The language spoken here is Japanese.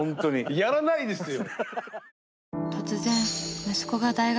やらないですよ！